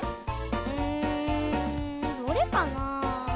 うん。どれかなあ。